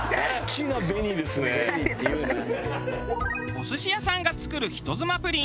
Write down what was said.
お寿司屋さんが作る人妻プリン。